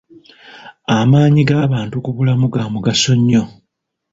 Amaanyi g'abantu ku bulamu ga mugaso nnyo.